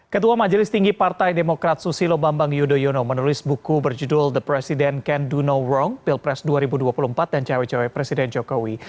ketua majelis tinggi partai demokrat susilo bambang yudhoyono menulis buku berjudul the president can duno wong pilpres dua ribu dua puluh empat dan cewek cewek presiden jokowi